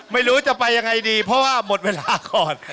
ไม่รู้จะไปยังไงดีเพราะว่าหมดเวลาก่อน